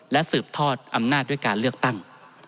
และสืบทอดอำนาจด้วยการเลือกตั้ง